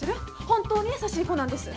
本当に優しい子なんです。